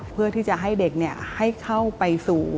เพื่อที่จะให้เด็กให้เข้าไปสู่